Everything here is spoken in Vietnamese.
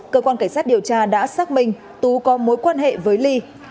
cơ quan cảnh sát điều tra đã xác minh tú có mối quan hệ với ly